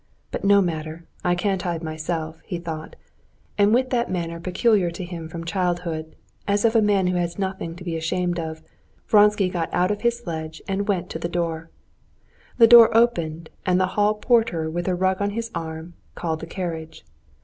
But no matter; I can't hide myself," he thought, and with that manner peculiar to him from childhood, as of a man who has nothing to be ashamed of, Vronsky got out of his sledge and went to the door. The door opened, and the hall porter with a rug on his arm called the carriage.